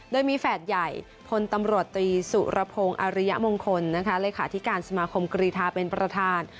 โดยมีแฝดใหญ่พลตำรวจตรีสุรพงศ์อริยมงคลเลขาธิการสมาคมกรีธาเป็นประธาน